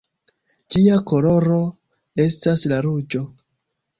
Ĝia koloro estas la ruĝo.